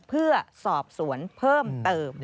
เพื่อสอบสวนเพิ่มเติม